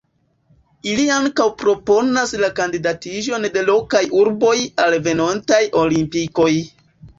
Ili ankaŭ proponas la kandidatiĝon de lokaj urboj al venontaj Olimpikoj.